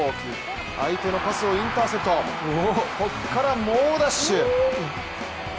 相手のパスをインターセプトこっから猛ダッシュ！